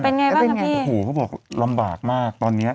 เป็นไงบ้างกับพี่เขาบอกลำบากมากตอนเนี้ย